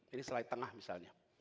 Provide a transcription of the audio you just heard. ini selai tengah misalnya